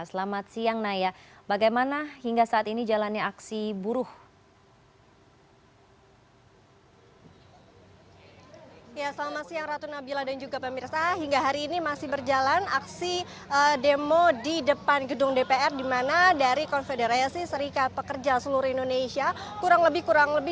selamat siang naya bagaimana hingga saat ini jalannya aksi buruh